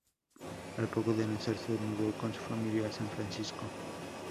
Al poco de nacer, se mudó con su familia a San Francisco.